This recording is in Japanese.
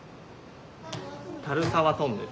樽沢トンネル。